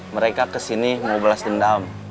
mereka kesini mau balas dendam